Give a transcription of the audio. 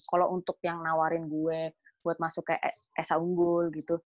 kalau untuk yang nawarin gue buat masuk ke esa unggul gitu